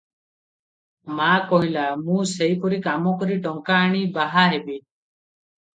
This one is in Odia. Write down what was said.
ମା କହିଲା, ମୁଁ ସେଇପରି କାମ କରି ଟଙ୍କା ଆଣି ବାହା ହେବି ।